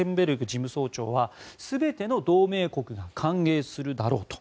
事務総長は全ての同盟国が歓迎するだろうと。